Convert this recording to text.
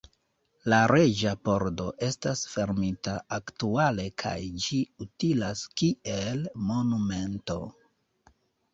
La Reĝa Pordo estas fermita aktuale kaj ĝi utilas kiel monumento.